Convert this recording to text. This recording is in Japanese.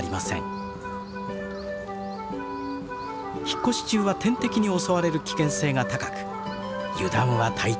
引っ越し中は天敵に襲われる危険性が高く油断は大敵です。